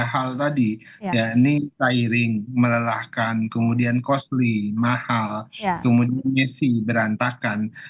hal tadi ya ini seiring melelahkan kemudian costly mahal kemudian messi berantakan